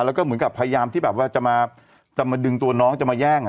แล้วก็เหมือนกับพยายามที่แบบว่าจะมาดึงตัวน้องจะมาแย่ง